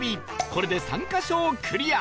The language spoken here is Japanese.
これで３カ所をクリア